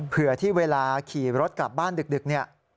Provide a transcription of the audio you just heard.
เผื่อที่เวลาขี่รถกลับบ้านดึกเนี่ย